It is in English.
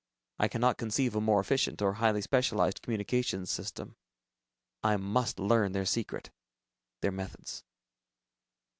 I cannot conceive a more efficient or highly specialized communications system. I must learn their secret, their methods.